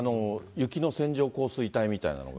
雪の線状降水帯みたいなのが。